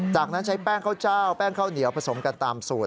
จากนั้นใช้แป้งข้าวเจ้าแป้งข้าวเหนียวผสมกันตามสูตร